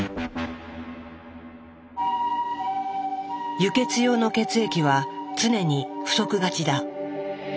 輸血用の血液は常に不足がちだ。